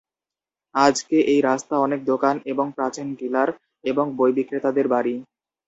আজকে এই রাস্তা অনেক দোকান এবং প্রাচীন ডিলার এবং বই বিক্রেতাদের বাড়ি।